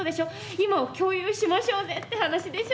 今を共有しましょうぜって話でしょ？